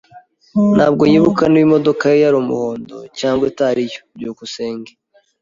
Ntabwo yibuka niba imodoka ye yari umuhondo cyangwa atariyo. byukusenge